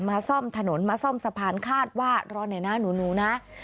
ซ่อมถนนมาซ่อมสะพานคาดว่ารอหน่อยนะหนูนะ